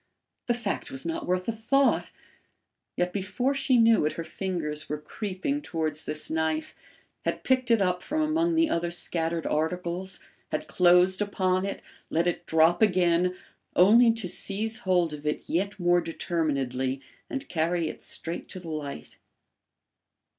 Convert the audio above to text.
The fact was not worth a thought; yet before she knew it, her fingers were creeping towards this knife, had picked it up from among the other scattered articles, had closed upon it, let it drop again, only to seize hold of it yet more determinedly and carry it straight to the light.